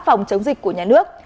phòng chống dịch của nhà nước